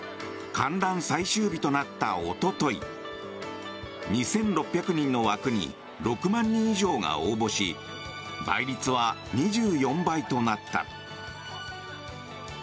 観覧最終日となった、おととい２６００人の枠に６万人以上が応募し倍率は２４倍となった。